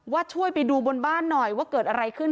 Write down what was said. ช่วยไปดูบนบ้านหน่อยว่าเกิดอะไรขึ้น